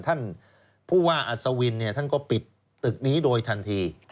ท่านผู้ว่าอัศวินท่านก็ปิดตึกนี้โดยทันที